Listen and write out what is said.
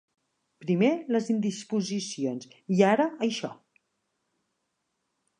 Primer les indisposicions i ara això.